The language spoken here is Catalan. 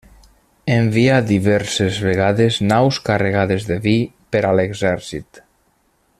Envià diverses vegades naus carregades de vi per a l'exèrcit.